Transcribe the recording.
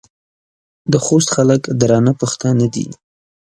د خوست خلک درانه پښتانه دي.